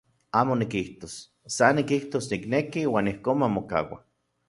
Amo nikijtos, san nikijtos nikneki uan ijkon mamokaua.